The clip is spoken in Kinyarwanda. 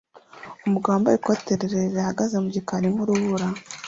Umugabo wambaye ikote rirerire rihagaze mu gikari nk'urubura